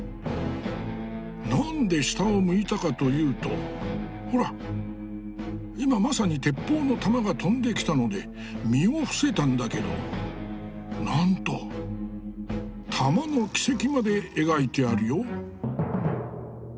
なんで下を向いたかというとほら今まさに鉄砲の弾が飛んできたので身を伏せたんだけどなんと弾の軌跡まで描いてあるよ。